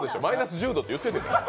１０度って言ってるんだから。